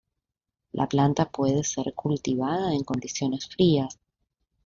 La planta puede ser cultivada en condiciones frías.